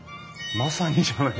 まさにじゃないですか！